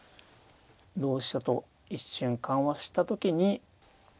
同飛車と一瞬緩和した時に。